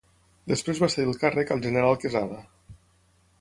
Després va cedir el càrrec al general Quesada.